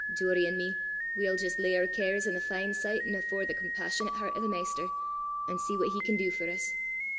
Doory an' me, we'll jist lay oor cares i' the fine sicht an' afore the compassionate hert o' the Maister, an' see what he can do for 's!